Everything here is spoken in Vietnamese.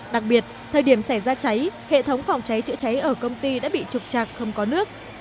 đặc biệt thời điểm xảy ra cháy hệ thống phòng cháy chữa cháy ở công ty đã bị trục trạc không có nước